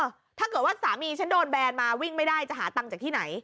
ถ้าเกิดว่าสามีฉันโดนแบนมาวิ่งไม่ได้จะหาตังค์จากที่ไหน